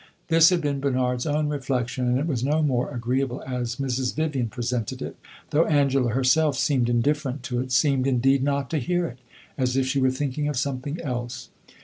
This had been Bernard's own reflection, and it was no more agreeable as Mrs. Vivian presented it; though Angela herself seemed indifferent to it seemed, indeed, not to hear it, as if she were thinking of something else.